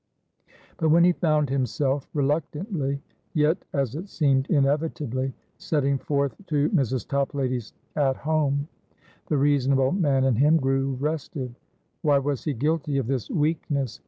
But when he found himself, reluctantly, yet as it seemed inevitably, setting forth to Mrs. Toplady's "At Home," the reasonable man in him grew restive. Why was he guilty of this weakness?